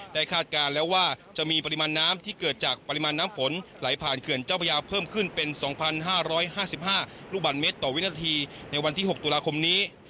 คาดการณ์แล้วว่าจะมีปริมาณน้ำที่เกิดจากปริมาณน้ำฝนไหลผ่านเขื่อนเจ้าพระยาเพิ่มขึ้นเป็น๒๕๕๕ลูกบาทเมตรต่อวินาทีในวันที่๖ตุลาคมนี้